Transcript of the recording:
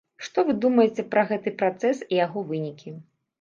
Што вы думаеце пра гэты працэс і яго вынікі?